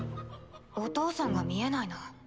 お父さんが見えないな。